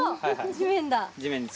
地面だ。